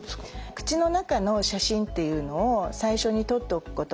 口の中の写真っていうのを最初に撮っておくことが多いんですね。